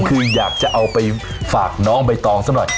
คืออยากจะเอาไปฝากน้องใบตองซะหน่อย